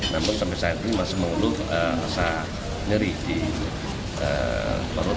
namun sampai saat ini masih mengeluh rasa nyeri di perut